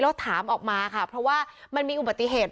แล้วถามออกมาค่ะเพราะว่ามันมีอุบัติเหตุ